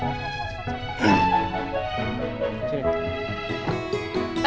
jangan lupa hablah sama papa